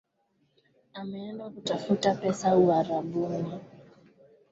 Ameenda kutafuta pesa Uarabuni